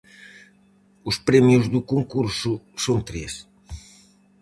Os premios do concurso son tres.